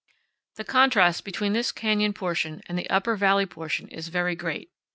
The contrast between this canyon portion and the upper MESAS AND BUTTES. 45 valley portion is very great.